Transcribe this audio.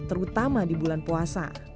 terutama di bulan puasa